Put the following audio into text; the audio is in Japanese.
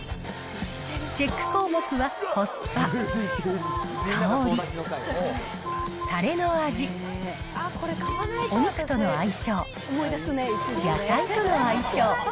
チェック項目は、コスパ、香り、たれの味、お肉との相性、野菜との相性。